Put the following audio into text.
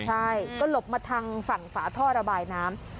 ใช่ก็หลบมาทางฝั่งฝาท่อระบายน้ำ